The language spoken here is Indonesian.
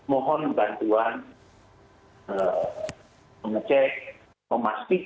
mohon bantuan pencegah memastikan hingga nanti tidak ada eksekutif yang memberikan